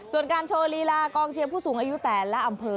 ส่วนการโชว์ลีลากองเชียร์ผู้สูงอายุแต่ละอำเภอ